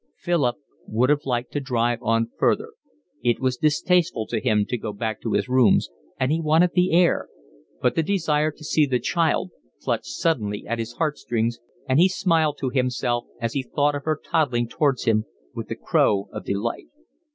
Philip would have liked to drive on further, it was distasteful to him to go back to his rooms, and he wanted the air; but the desire to see the child clutched suddenly at his heartstrings, and he smiled to himself as he thought of her toddling towards him with a crow of delight.